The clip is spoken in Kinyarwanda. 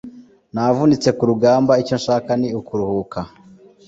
navunitse ku rugamba, icyo nshaka ni ukuruhuka.